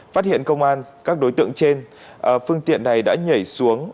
phát hiện công an các đối tượng trên phương tiện này đã nhảy xuống